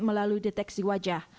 melalui deteksi wajah